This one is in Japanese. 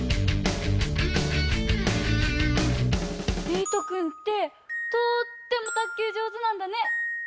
えいとくんってとってもたっきゅうじょうずなんだね。